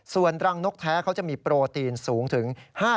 ส่วนรังนกแท้เขาจะมีโปรตีนสูงถึง๕๐